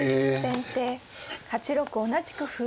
先手８六同じく歩。